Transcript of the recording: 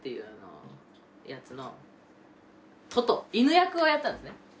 犬役をやったんですね。